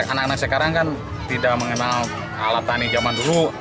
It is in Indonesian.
anak anak sekarang kan tidak mengenal alat tani zaman dulu